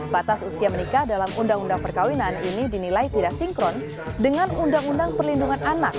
batas usia menikah dalam uu perkawinan ini dinilai tidak sinkron dengan uu perlindungan anak